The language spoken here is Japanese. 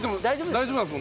大丈夫です。